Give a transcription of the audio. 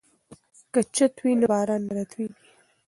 که چت وي نو باران نه راتوییږي.